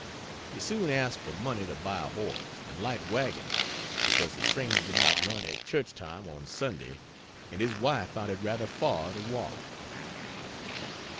He soon asked for money to buy a horse and light wagon, because the trains did not run at church time on Sunday and his wife found it rather far to walk.